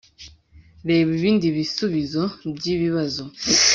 Reba ibindi bisubizo by ibibazo